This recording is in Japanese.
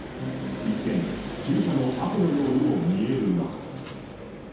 一見、注射の痕のようにも見えるが。